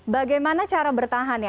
bagaimana cara bertahan ya